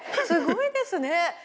すごいですね。